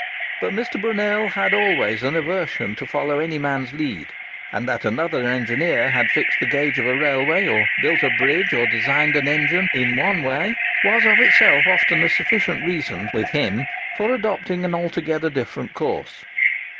But Mr. Brunel had always an aversion to follow any man's lead; and that another engineer had fixed the gauge of a railway, or built a bridge, or designed an engine, in one way, was of itself often a sufficient reason with him for adopting an altogether different course.